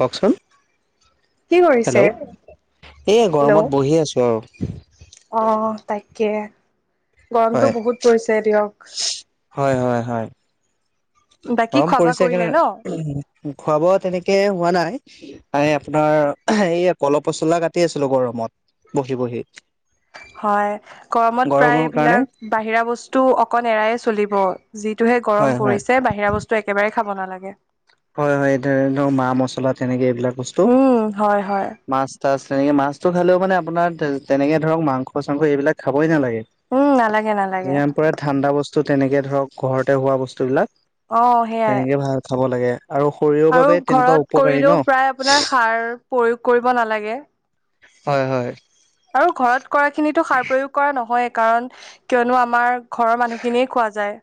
কওকচোন কি কৰিছে? হেল্ল' এই হেল্ল' গৰমত বহি আছো আৰু তাইকে গৰমটো হয় বহুত পৰিছে দিয়ক। হয় হয় হয়। বাকী গৰম খোৱা বোৱা পৰিছে কৰিলে ন? খোৱা ব তেনেকে হোৱা নাই। আ আপোনাৰ এই কলপ পচলা কাটি আছিলো গৰমত বহি বহি হয় গৰমত প্ৰায় গৰমৰ কাৰণে এইবিলাক বাহিৰা বস্তু অকন এৰায়ে চলিব যিটোহে গৰম হয় হয় পৰিছে বাহিৰা বস্তু একেবাৰে খাব নালাগে। হয় হয় এই ধ ধৰ মা মছলা তেনেকে এইবিলাক বস্তু উম, হয় হয়। মাছ তাৰপাছতনেকে মাছটো খালেও মানে আপোনাৰ তেনেক ধৰক মাংস চাংস এইবিলাক খাবই নালাগে। উম, নালাগে নালাগে। যিমান পাৰে ঠাণ্ডা বস্তু তেনেকে ধৰক ঘৰতে হোৱা বস্তু বিলাক। আহ সেইয়াই আৰু শৰীৰৰ আৰু বাবে তেনেকুৱা ঘৰত উপকাৰী ন কৰিলেও প্ৰায় আপোনাৰ সাৰ প্ৰয়োগ কৰিব নালাগে হয় হয় আৰু ঘৰত কৰা খিনিতো সাৰ প্ৰয়োগ কৰা নহয়ে কাৰণ কিয়নো আমাৰ ঘৰৰ মানুহখিনিয়ে খোৱা যায়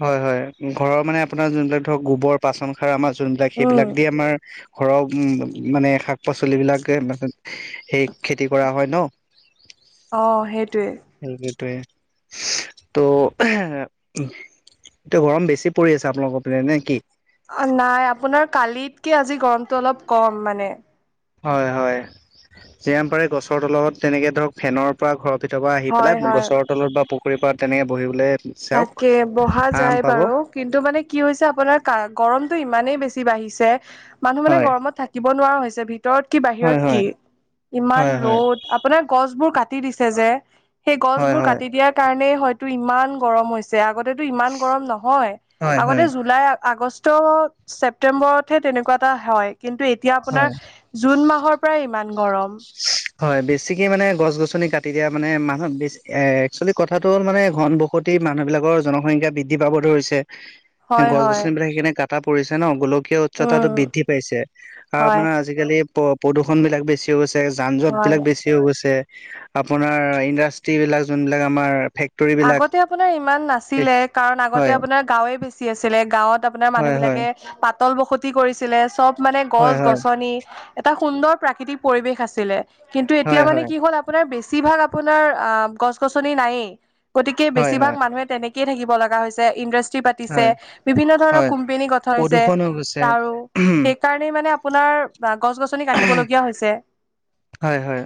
হয় হয় ঘৰৰ মানে আপোনাৰ যোনবিলাক ধৰক গোবৰ পাচন সাৰ আমাৰ যোন বিলাক উম, সেইবিলাক দি আমাৰ ঘৰৰ উ মানে শাক পাচলিবলাক সেই খেতি কৰা হয় ন [unintelligible] অ সেইটো সেইকেইটে তো এতিয়া গৰম বেছি পৰি আছে আপোনালোকৰ পিনে নে কি অ নাই আপোনাৰ কালিতকে আজি গৰমতটো অলপ কম মানে হয় হয় যিমান পাৰে গছৰ তলত তেনেকে ধৰক ফেনৰ পৰা ঘৰ ভিতৰ পৰা আহি হয় পেলাই হয় গছৰ তলত বা পুখুৰীৰ পাৰত তেনেকে বহিবলে তাকে বহা যায় বাৰু কিন্তু মানে কি হৈছে আপোনাৰ গৰমতটো ইম ইমানেই বেছি বাঢ়িছে মানুহ মানে হয় গৰমত থাকিব নোৱাৰা হৈছে ভিত ভিতৰত কি বাহিৰত হয় কি হয় ইমান হয় হয় ৰ'দ আপোনাৰ গছবোৰ কাটি দিছে যে সেই গছ হয় বোৰ হয় কাটি দিয়াৰ কাৰণে হয়তো ইমান গৰম হৈছে আগত তেটো ইমান গৰম নহয় হয় হয় আগতে জুলাই আগষ্ট অ ছেপটেম্বৰতহে তেনেকুৱা এটা হয় কিন্তু এতিয়া হয় আপোনাৰ জুন মাহৰ পৰাই ইমান গৰম হয় বেছিকে মানে গছ গছনি কাটি দিয়া মানে মানুহ বেছি এক্চুৱেলি কথাটো হ'ল মানে ঘন বহুত টেই মানুহ বিলাকৰ জনসংখ্যা বৃদ্ধি পাব ধৰিছে হয় গছ হয় গছন বিলাক সেইকাৰণে কাটা পৰিছে ন গোলক কীয় উচ্চতাটো উম, বৃদ্ধি পাইছে আহ হয়, আপোনাৰ আজিকালি প প্ৰদূষণ বিলাক বেছি হৈছে যান জট হয়। বিলাক বেছি হৈ গৈছে আপোনাৰ ইণ্ডাষ্ট্ৰী বিলাক যোনবিলাক আমাৰ ফেক্ট আগতে আপোনাৰ ইমান নাছিলে কাৰণ আগতে হয় আপোনাৰ গাঁওৱে বেছি আছিলে গাঁৱত আপোনাৰ মানুহ হয় হয় বিলাকে পাতল বসতি কৰিছিলে চব মানে গছ হয় হয় গছনি এটা সুন্দৰ প্ৰাকৃতিক পৰিৱেশ আছিলে কিন্তু এতিয়া হয় মানে হয় কি হ'ল আপোনাৰ বেছি বেছিভাগ আপোনাৰ অ গছ গছনি নায়েই গতিকে হয় বেছিভাগ হয় মানুহে তেনেকে থাকিব লগা হৈছে ইণ্ড্ৰাষ্টি পাতিছে হয় বিভিন্ন ধৰণৰ হয় কোম্পেনী গঠা হৈছে প্ৰদূষণ হৈ গৈছে তাৰু সেইকাৰণেই মানে আপোনাৰ গছ গছনি কাটিবলগীয়া হৈছে হয় হয়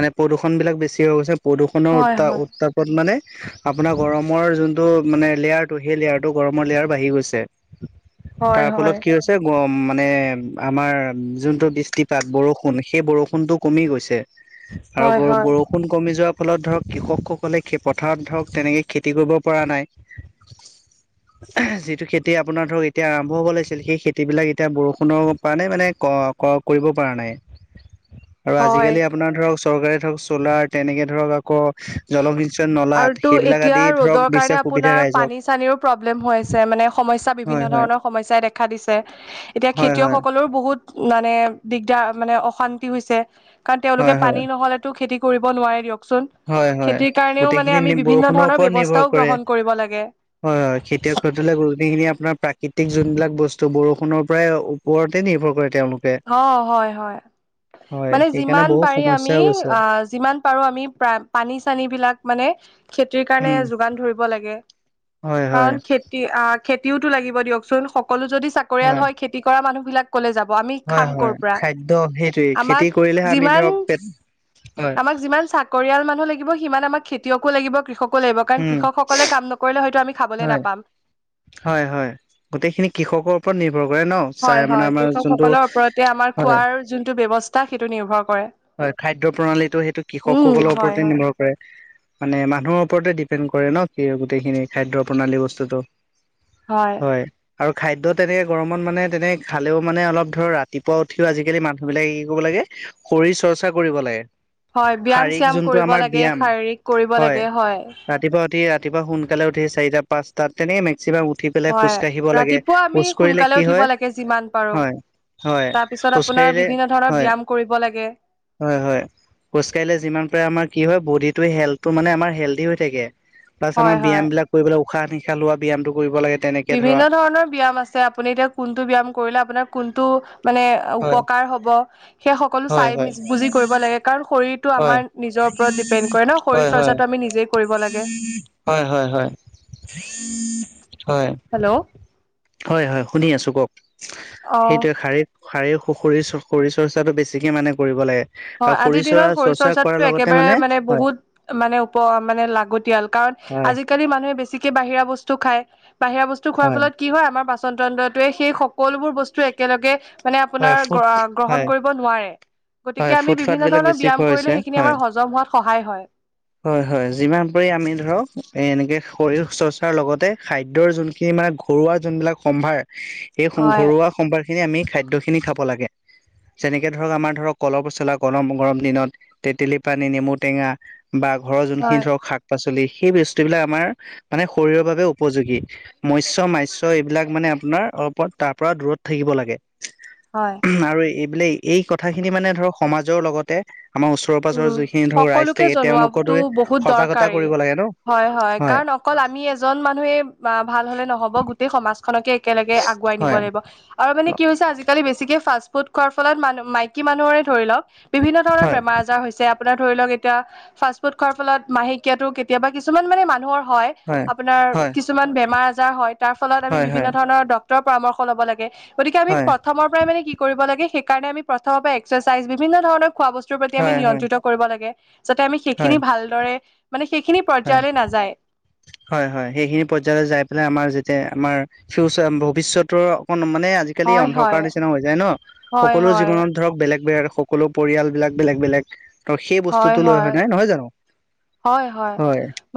মানে প্ৰদূষণ বিলাক বেছি হৈ গৈছে প্ৰদূষণৰ হয় উত্তা হয় উত্তাপত মানে আপোনাৰ গৰমৰ যোনটো মানে লেয়াৰটো সেই লেয়াৰটো গৰমৰ লেয়াৰ বাঢ়ি গৈছে হয় তাৰ ফলত হয় কি হৈছে গ মানে আমাৰ যোনটো বৃষ্টিপাত বৰষুণ সেই বৰষুণটো কমি গৈছে হয় আৰু হয় বৰষুণ কমি যোৱা ফলত ধৰক কৃষকসকলে পথাৰত ধৰক তেনেকে খেতি কৰিব পৰা নাই [inaudible] যিটো খেতি আপোনাৰ ধৰক এতিয়া আৰম্ভ হ'ব লাগিছিল সেই খেতি বিলাক এতিয়া বৰষুণৰ কাৰণে মানে ক কৰিব পৰা নাই আৰু হয় আজিিকালি আপোনাৰ ধৰক চৰকাৰে ধৰক চলাৰ তেনেকে ধৰক ক‌ জলসিঞ্চন নলাত আৰুতো সেইবিলাক এতিয়া আদি ৰ'দৰ ধৰক কাৰণে দিছে সুবিধা আপোনাৰ পানী চানীৰো প্ৰব্লেম হৈ ৰাইজক মানে সমস্যা বিভিন্ন হয় হয় ধৰণৰ সমস্যাই দেখা দিছে এতিয়া হয় হয় খেতিয়কসকললেৰ বহুত মানে দিগদাৰ মানে অশান্তি হৈছে কাৰণ তেওঁলোকে হয় হয় পানী নহলেতো খেতি কৰিব নোৱাৰে দিয়কচোন হয় হয় খেতিৰ কাৰণেও মানে আমি গোটেইখিনি বিভিন্ন বৰষুণৰ ধৰণৰ ওপৰত নিৰ্ভৰ ব্যৱস্থাও কৰে গ্ৰহণ কৰিব লাগে হয় হয় খেতিয়ক সকলে যিখিনি আপোনাৰ প্ৰাকৃতিক যোনবিলাক বস্তু বৰষুণৰ পৰাই ওপৰতে নিৰ্ভৰ কৰে তেওঁলোকে অ, হয় হয় হয় মানে সেইকাৰণে যিমান বহু পাৰি আমি সমস্যা হৈছে অ যিমান পাৰো আমি পাম। পানী-চানী বিলাক মানে খেতিৰ কাৰণে উম যোগান ধৰিব লাগে। হয় হয় কাৰণ খেতি আহ খেতিওতো লাগিব দিয়কচোন হক সকলো যদি চাকৰিয়াল হয় খেতি কৰা মানুহ বিলাক কলৈ যাব আমি হয় খাম ক'ৰ হয়, পৰা খাদ্য সেইটোৱে আমাক খেতি কৰিলেহে আমি যিমান ধৰক পেট হয় আমাক যিমান চাকৰিয়াল মানুহ লাগিব সিমান আমাক খেতিয়কো লাগিব কৃষক কৃষক লাগিব কাৰণ উম কৃষকসকলে কাম নকৰিলে হয়তো আমি খাবলে হয় নেপাম। হয় হয়, গোটেইখিনি কৃষকৰ ওপৰত নিভ হয় হয়, কৃষকসকলৰ ওপৰতে আমাৰ হয় খোৱাৰ যোনটো ব্যৱস্থা সেইটো নিৰ্ভৰ কৰে হয়, খাদ্য প্ৰণালীটো সেইটো উম কৃষকসকলৰ হয় ওপৰতে হয় নিৰ্ভৰ কৰে মানে মানুহক ওপৰতে ডিপেণ্ড কৰে ন কি গোটেইখিনি খাদ্য প্ৰণালী বস্তুটো হয়, আৰু খাদ্য তেনেকে গৰমত মানে তেনে খালেও মানে অলপ ধৰ ৰাতিপুৱা উঠিও আজিকালি মানুহ বিলাক ই ই কৰিব লাগে। দেই শৰীৰ চৰ্চা কৰিব লাগে। হয় ব্যায়াম শাৰীৰিক চ্যাম যোনটো কৰিব আমাৰ লাগে ব্যয়াম শাৰীৰিক কৰিব উঠা হয় লাগে ৰাতিপুৱা উঠি ৰাতিপুৱা সোনকালে ইয়াত উঠি চাৰিটা পাঁচটা তেনেই মে সিধা উঠি পেলাই হয় খোজ-কাঢ়িব লাগে। ৰাতিপুৱা আমি খোজ-কাঢ়িলে সোনকালে কি উঠিব হয়? লাগে যিমান পাৰো হয় হয়, তাৰ পিছত আপোনাৰ খোজ-কাঢ়িলে বিভিন্ন ধৰণৰ হয় ব্যায়াম কৰিব লাগে হয় হয়, খোজ-কাঢ়িলে যিমান পাৰে আমাৰ কি হয় বডিত টোৱে হেলথটো মানে আমাৰ হেলদি হৈ থাকে প্লাছ হয় আমাৰ হয় ব্যয়াম বিলাক কৰিবলৈ উশাহ-নিশাহ লোৱা ব্যয়ামটো বিভিন্ন ধৰণৰ ব্যয়াম আছে আপুনি এতিয়া কোনটো ব্যয়াম কৰিলে আপোনাৰ কোনটো মানে হয় উপকাৰ হ'ব সেই সকলো হয় হয় চাই-মেজ বুজি কৰিব লাগে কাৰণ শৰীৰটো হয় আমাৰ নিজৰ ওপৰত ডিপেণ্ড কৰে ন শৰীৰ হয় হয়, চৰ্চাটো আমি নিজেই কৰিব লাগে হয় হয় হয় [unintelligible] হয় হেল্ল' হয় হয়, শুনি আছো কওক অ সেইটোৱে শাৰীৰি শাৰীৰিক শ শ শৰীৰ চৰ্চ শৰীৰ চৰ্চাটো বেছিকে মানে কৰিব লাগে। আৰু হয়, আজিৰ শৰীৰ চৰা দিনত শৰীৰ চৰ্চা কৰাৰ চৰ্চাটো লগতে একেবাৰে মানে হয় বহুত মানে উপৰ মানে লাগতিয়াল কাৰণ হয় আজিকালি মানুহে বেছিকে বাহিৰা বস্তু খাই বাহিৰা বস্তু খোৱাৰ ফলত কি হয় আমাৰ পাচন পাচনতন্ত্ৰটোৱে সেই সকলোবোৰ বস্তু একেলগে হে মানে হয় আপোনাৰ ফুট গ্ৰ হয় গ্ৰহণ কৰিব নোৱাৰে গতিক হয় ফুটফাট বিভিন্ন বিলাক ধৰণৰ বেছি ব্যায়াম খোৱা হৈছে কৰিলে সেইখিনি হয় আমাৰ হজম হোৱাত সহায় হয়। হয় হয়, যিমান পাৰি আমি ধৰক এ এনেকে শৰীৰ চৰ্চাৰ লগতে খাদ্যৰ যোনখিনি মানে ঘৰুৱা যোনবিলাক সম্ভাৰ সেইখন হয় ঘৰুৱা সম্ভাৰ খিনি আমি খাদ্য খিনি খাব লাগে। যেনেকে ধৰক আমাৰ ধৰক কলৰ-পচলা গৰম গৰম দিনত তেতেলী পানী নেমু টেঙা বা ঘৰৰ যোনখিনি হয় ধৰক শাক-পাচলি সেই বস্তুবিলাক আমাৰ মানে শৰীৰৰ বাবে উপযোগী মস্য-মাস্য এইবিলাক মানে আপোনাৰ অ, ওপৰত তাৰপৰা দূৰত থাকিব লাগে হয় উমহু আৰু এইবোলে এই কথাখিনি মানে ধৰক সমাজৰ লগতে আমাৰ ওচৰৰ-পাজৰৰ উম, যিখিনি ধৰক ৰাইজ সকলোকে থাকে তেওঁলোকৰ জনোৱাটো দৰে বহুত সজাগতা দৰকাৰী। কৰিব লাগে ন। হয় হয়, কাৰণ অকল আমি এজন মানুহে বা ভাল হলে নহ'ব গোটেই সমাজ খনকে একেলগে আগুৱাই নিব হয় লাগিব আৰু মানে কি হৈছে আজিকালি বেছি বেছিকে ফাষ্ট-ফুড খোৱাৰ ফলত মানু মাইকী মানুহৰে ধৰিলওক বিভিন্ন ধৰণৰ হয় বেমাৰ আজা পিছে আপোনাৰ ধৰি লওক এতিয়া ফাষ্ট-ফুড খোৱাৰ ফলত মাহেকীয়াতটো কেতিয়াবা কিছুমান মানে মানুহৰ হয়, আপোনাৰ হয় কিছুমান বেমাৰ-আজাৰ হয় তাৰফলত আমি হয় বিভিন্ন হয় ধৰণৰ ডক ডক্টৰৰ পৰামৰ্শ ল'ব লাগে গতিকে আমি হয় প্ৰথমৰ পৰাই মানে কি কৰিব লাগে সেই কাৰণে আমি প্ৰথমৰ পৰাই এক্সাৰচাইজ বিভিন্ন ধৰণৰ খোৱা বস্তুৰ প্ৰতি আমি হয় হয় নিয়ন্ত্ৰিত কৰিব লাগে যাতে আমি সেইখিনি হয় ভালদৰে মানে সেইখিনি হয় পৰ্যায়লৈ নাযায়। হয় হয়, সেইখিনি পৰ্যায়লৈ যাই পেলাই আমাৰ যেতিয়া আমাৰ ফিউচাৰ ভৱিষ্যতৰ অকনমান মানে আজিকালি হয় হয় অন্ধকাৰ নিচিনা হৈ যায় ন, হয় সকলো হয় জীৱনত ধৰক বেলেগ বেলেগ সকলো পৰিয়াল বিলাক বেলেগ বেলেগ ত সেই বস্তুতটো লৈ হয় নাই নহয় জানো? হয় হয়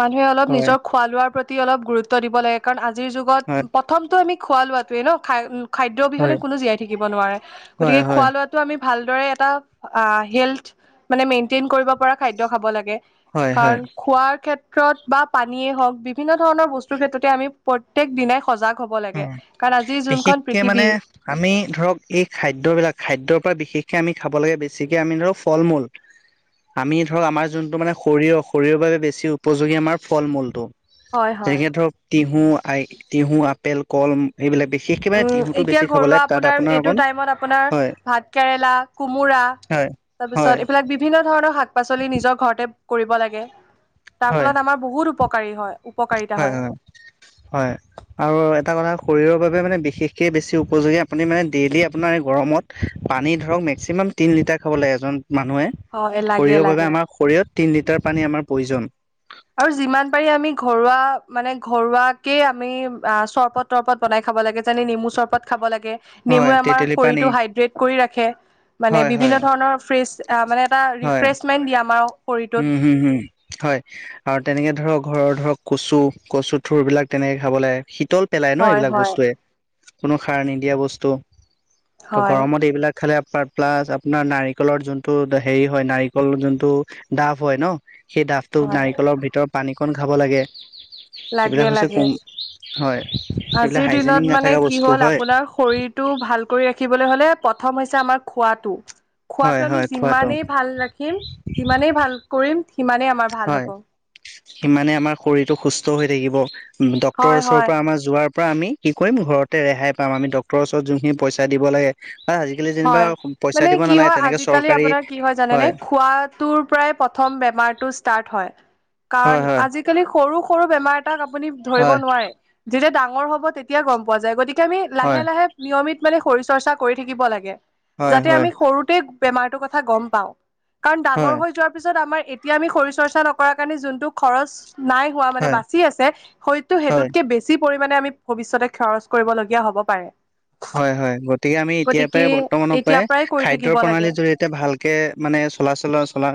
মানুহে অলপ হয় নিজৰ খোৱা লোৱাৰ প্ৰতি অলপ গুৰুত্ব দিব লাগে, কাৰণ আজিৰ হয় যুগত প্ৰথমটো আমি খোৱা লোৱাতোৱে ন খাই খাদ্য হয় অবিহনে কোনো জীয়াই থাকিব নোৱাৰে হয় গতিকে হয় খোৱা লোৱাাতটো আমি ভাল দৰে এটা আ হেল মানে মেইনটেইন কৰিব পৰা খাদ্য খাব লাগে। হয় হয় কাৰণ খোৱাৰ ক্ষেত্ৰত বা পানীয়েই হওক বিভিন্ন ধৰণৰ বস্তুৰ ক্ষেত্ৰতে আমি প্ৰত্যেক দিনাই লব লাগে উম কাৰণ আজিৰ যোনখন বিশেষকে মানে পৃথিৱী আমি ধৰক এই খাদ্যয় বিলাক খাদ্যৰ পৰা বিশেষ আমি খাব লাগে বেছিকে আমি ধৰ ফল মূল আমি ধৰক আমাৰ যোনটো মানে শৰীৰৰ শৰীৰৰ বাবে বেছি উপযোগী আমাৰ ফল মূলটো হয় হয় যেনেকে ধৰক তিঁহু আই তিহু, আপেল, কল এইবিলাক বিশেষকে মানে উম তিহুতটো বেছি এতিয়া খাব ঘৰুৱা লাগে তাত আপোনাৰ এইটো অকণ টাইমত আপোনাৰ হয় হয় তাৰ হয় পিছত এইবিলাক বিভিন্ন ধৰণৰ শাক শাক পাচলি নিজৰ ঘৰতে কৰিব লাগে তাৰ হয় ফলত আমাৰ বহুত উপকাৰী হয় হয় হয় হয় আৰু এটা কথা শৰীৰৰ বাবে মানে বিশেষকে বেছি উপযোগী আপুনি মানে ডেইলি আপোনাৰ গৰমত পানী ধৰক মেক্সিমাম তিন লিটাৰ খাব লাগে এজন মানুহে হয় লাগে শৰীৰৰ বাবে লাগে আমাৰ শৰীৰত তিন লিটাৰ পানী আমাৰ প্ৰয়োজন। আৰু যিমান পাৰি আমি ঘৰুৱা মানে ঘৰুৱাকে আমি চৰবত তৰবত বনাই খা লাগে যে নেমু চৰবত খাব লাগে হয় নেমু আমাৰ তেতেলী পানী শৰীৰটো হাইড্ৰেট কৰি ৰাখে। মানে হয় বিভিন্ন হয় ধৰণৰ ফ্ৰেছ মানে এটা হয় ৰিফ্ৰেছমেণ্ট দিয়ে আমাৰক। উম হম হম হয়। আৰু তেনেকে ধৰক ঘৰৰ ধৰক কচু কচু থঠুৰবিলাক তেনেকে খাব লাগে। শীতল পেলাই ন হয় এইবিলাক হয় বস্তুৱে কোনো সাৰ নিদিয়া বস্তু। ত' হয় গৰমত এইবিলাক খালে প্লাছ আপোনাৰ নাৰিকলৰ যোনটো হেৰি হয় নাৰিকলৰ যোনটো ডাফ হয় ন সেই ডফটো হয় নাৰিকলৰ ভিতৰত পানীকণ খাব লাগে। লাগে এইবিলাক হৈছে লাগে। কম হয়, এইবিলাক আজিৰ দিনত হাইজেনিক মানে নাথাকা কি বস্তু হল হয়, আপোনাৰ শৰীৰটো ভাল কৰি ৰাখিবলৈ হলে প্ৰথম হৈছে আমাৰ খোৱাটো। হয়, খোৱাতটো আমি হয়, খোৱাটো যিমানেই ভাল ৰাখিম যিমানেই ভাল কৰিম সিমানেই আমাৰ ভাল হয় হ'ব সিমানে আমাৰ শৰীৰটো সুস্থ হৈ থাকিব। ডক্টৰৰ হয় ওচৰৰ হয় পৰা আমাৰ যোৱাৰ পৰা আমি কি কৰিম ঘৰত তে ৰেহাই পাম আমি ডক্তৰ ওচৰত যোনখিন পইচা দিব লাগে বা আজিকালি যেনিবা হয় পইচা মানে দিব কি নালাগে হয় তেনেকে আজিকালি চৰকাৰী আপোনাৰ কি হয় জানে নে খোৱাটোৰ পৰাই প্ৰথম থম বেমাৰটো ষ্টাৰ্ত হয়। কাৰণ হয় হয় আজি কালি সৰু সৰু বেমাৰ আপুনি ধৰিব হয় নোৱাৰে, যেতিয়া ডাঙৰ হ'ব তেতিয়া গম পোৱা যায়। গতিকে আমি লাহে হয় লাহে নিয়মিত মানে শৰীৰ চৰ্চা কৰি থাকিব লাগে হয় যাতে হয় আমি সৰুতে বেমাৰটো কথা গম পাও। কাৰণ ডাঙৰ হয় যোৱা পিছত আমাৰ এতিয়া আমি শৰীৰ চৰ্চা নকৰা কাৰণে যোনটো খৰচ নাই হোৱা মানে হয় বাচি আছে হয়তো হয় সেইটোতকে বেছি পৰিমাণে আমি ভৱিষ্যতে খৰচ কৰিবলগীয়া হ'ব পাৰে। হয় হয় গতিকে আমি এতিয়া গতিকে বৰ্তমানৰ পৰাই এতিয়াৰ কৰি খাদ্য থাকিব লাগে প্ৰণালীৰ জৰিয়তে ভালকে মানে চলা চল চলা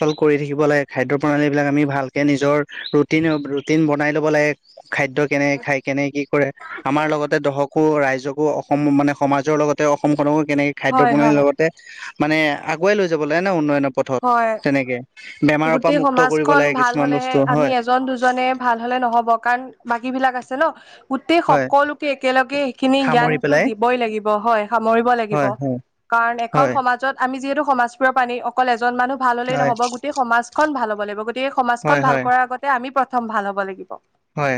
চল কৰি থাকিব লাগে খাদ্য প্ৰণালী বিলাক আমি ভালকে নিজৰ ৰুটিন ৰুটিন বনাই ল'ব লাগে। খাদ্য কেনেকে খায় কেনেকে কি কৰে আমাৰ লগতে দশকো ৰাইজ অসম মানে সমাজৰ লগতে অসমখনকো কেনেকে খাদ্য হয় প্ৰণালীৰ হয় লগতে মানে আগুৱাই লৈ যাবা লাগে ন উন্নয়নৰ পথত হয় তেনেকে বেমাৰৰ পৰা গোটেই মুক্ত কৰিব সমাজখন লাগে ভাল কিছুমান হলেহে বস্তু আমি হয় এজন দুজনে ভাল হলে নহ'ব কাৰণ বাকী বিলাক আছে ন গোটেই হয় সকলোকে একেলগে সেইখিনি সামৰি জ্ঞানটো পেলাই দিবই লাগিব হয় সামৰিব লাগিব হয় হয় কাৰণ এখন হয় সমাজত আমি যিহেতু সমাজ প্ৰিয় পাণী এজন মানুহ ভাল হলেই হয় নহ'ব গোটেই সমাজখন ভাল হ'ব লাগিব গতিকে সমাজখন হয় ভাল হয় কৰাৰ আগতে আমি প্ৰ প্ৰথম ভাল হ'ব লাগিব হয়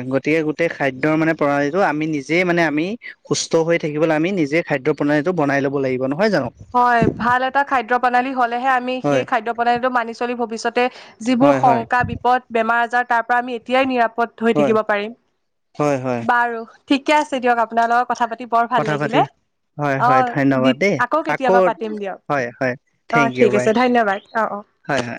নিজে মানে আমি সুস্থ হৈ থাকিবলৈ আমি নিজে খাদ্য প্ৰণালীটো বনাই ল'ব লাগিব ন হয় ভাল এটা খাদ্য প্ৰণালী হলেহে আমি সেই হয় খাদ্য প্ৰণালীটো মানি চলি ভৱিষ্যতে যিবোৰ হয় হয় শংকা বিপদ বেমাৰ আজাৰ তাৰ পৰা আমি এতিয়াই নিৰাপদ হৈ হয় থাকিব পাৰিম হয় হয় বাৰু। ঠিকে আছে দিয়ক আপোনাৰ লগত কথা পাতি বৰ ভাল কথা পাতি লাগিলে হয় অ হয় ধন্যবাদ দেই। [unintelligible] আকৌ কেতিয়াবা পাতিম দিয়ক হয় হয় অ থেংক ইউ ঠিক বাই আছে ধন্যবাদ অ অ। হয় হয়।